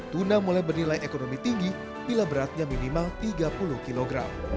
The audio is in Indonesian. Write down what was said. tuna mulai bernilai ekonomi tinggi bila beratnya minimal tiga puluh kg